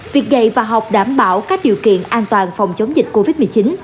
việc dạy và học đảm bảo các điều kiện an toàn phòng chống dịch covid một mươi chín